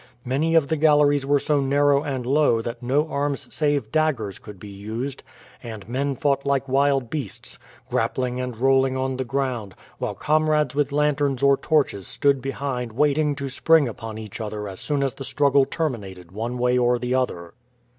Many of the galleries were so narrow and low that no arms save daggers could be used, and men fought like wild beasts, grappling and rolling on the ground, while comrades with lanterns or torches stood behind waiting to spring upon each other as soon as the struggle terminated one way or the other.